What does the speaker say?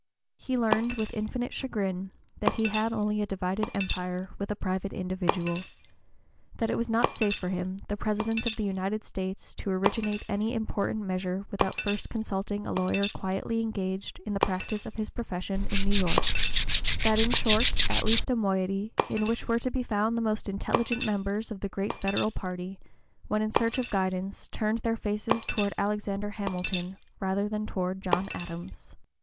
He learned with infinite chagrin that he had only a divided empire with a private individual; that it was not safe for him, the President of the United States, to originate any important measure without first consulting a lawyer quietly (p. 027) engaged in the practice of his profession in New York; that, in short, at least a moiety, in which were to be found the most intelligent members, of the great Federal party, when in search of guidance, turned their faces toward Alexander Hamilton rather than toward John Adams.